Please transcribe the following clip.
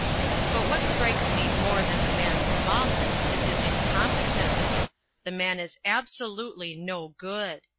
But what strikes me more than the man's smallness is his incompetence. The man is absolutely no good.